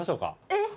えっ？